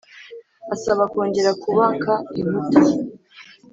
Asaba kongera kubaka inkuta